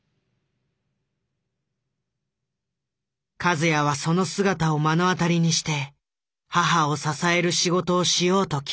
和也はその姿を目の当たりにして母を支える仕事をしようと決めた。